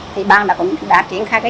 thì ban cũng đã triển khai